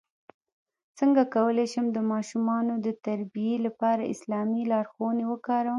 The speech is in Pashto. څنګه کولی شم د ماشومانو د تربیې لپاره اسلامي لارښوونې وکاروم